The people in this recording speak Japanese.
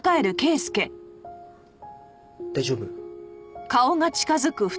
大丈夫？